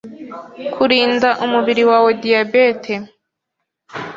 Kurinda umubiri wawe diyabete